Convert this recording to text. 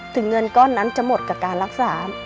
เงินก้อนนั้นจะหมดกับการรักษา